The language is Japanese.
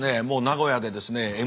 もう名古屋でですね